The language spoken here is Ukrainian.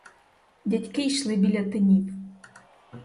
Дядьки йшли біля тинів.